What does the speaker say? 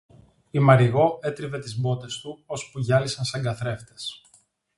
Η Μαριγώ έτριβε τις μπότες του, ώσπου γυάλισαν σαν καθρέφτες